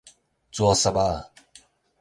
紙屑仔